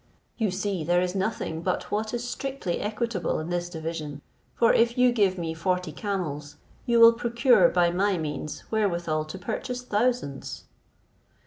You see there is nothing but what is strictly equitable in this division; for if you give me forty camels, you will procure by my means wherewithal to purchase thousands."